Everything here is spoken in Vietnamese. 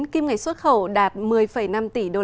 kim ngạch xuất khẩu đạt một mươi năm tỷ usd